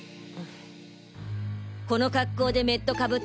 この格好でメット被っ